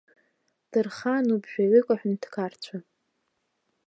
Дырхаануп жәаҩык аҳәынҭқарцәа!